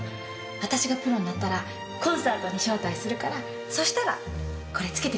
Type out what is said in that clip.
私がプロになったらコンサートに招待するからそしたらこれつけてきて。